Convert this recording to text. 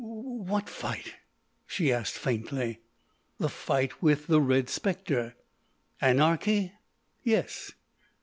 "W what fight?" she asked faintly. "The fight with the Red Spectre." "Anarchy?" "Yes....